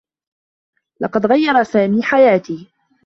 لقد غيّر سامي حياتي.